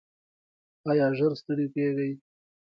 ایا ژر ستړي کیږئ؟